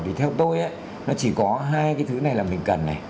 thì theo tôi nó chỉ có hai cái thứ này là mình cần này